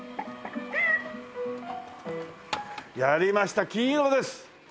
やりました金色です！